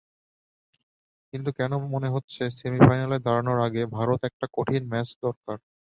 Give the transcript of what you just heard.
কিন্তু কেন যেন মনে হচ্ছে সেমিফাইনালে দাঁড়ানোর আগে ভারতের একটা কঠিন ম্যাচ দরকার।